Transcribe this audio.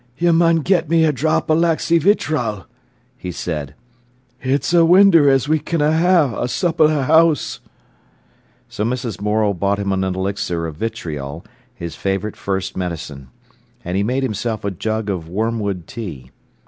"You mun get me a drop o' laxy vitral," he said. "It's a winder as we canna ha'e a sup i' th' 'ouse." So Mrs. Morel bought him elixir of vitriol, his favourite first medicine. And he made himself a jug of wormwood tea.